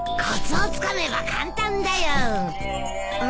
コツをつかめば簡単だよ。